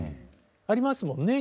ありますもんね